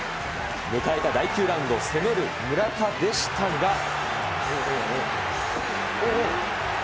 迎えた第９ラウンド、攻める村田でしたが。